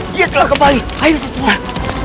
dia telah kembali ayo sekuat